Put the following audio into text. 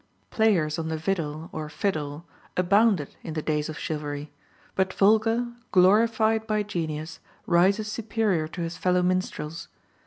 Players on the videl, or fiddle, abounded in the days of chivalry, but Volker, glorified by genius, rises superior to his fellow minstrels.